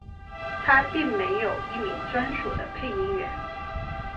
它并没有一名专属的配音员。